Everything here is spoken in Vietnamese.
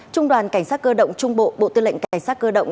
trung đoàn cảnh sát cơ động trung bộ bộ tư lệnh cảnh sát cơ động